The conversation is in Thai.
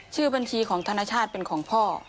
ชื่อบัญชีของธนชาติเป็นของพ่อ